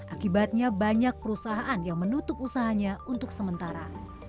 akibatnya banyak perusahaan yang menutup usahanya untuk sementara